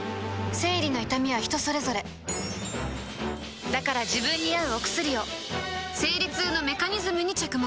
生理の痛みは人それぞれだから自分に合うお薬を生理痛のメカニズムに着目